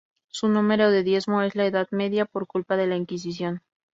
Su número se diezmó en la Edad Media por culpa de la Inquisición.